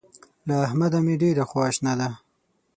له احمده مې ډېره خواشنه ده.